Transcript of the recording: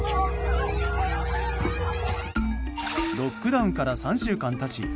ロックダウンから３週間経ち